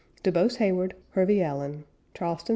DuBOSE HEYWARD HERVEY ALLEN. Charleston, S.